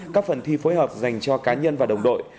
các phần thi phối hợp dành cho cá nhân và đồng đội